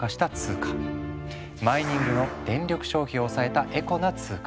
マイニングの電力消費を抑えたエコな通貨。